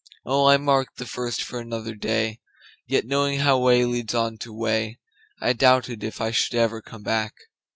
Oh, I kept the first for another day! Yet knowing how way leads on to way,I doubted if I should ever come back.